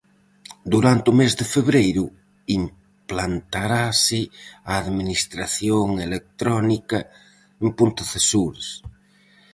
Durante o mes de febreiro implantarase a Administración Electrónica en Pontecesures.